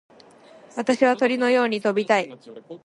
私は鳥のように飛びたい。